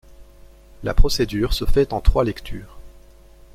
La procédure se fait en trois lectures.